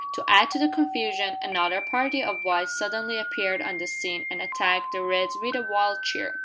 To add to the confusion, another party of whites suddenly appeared on the scene and attacked the "Reds" with a wild cheer.